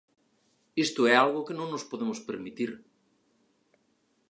Isto é algo que non nos podemos permitir.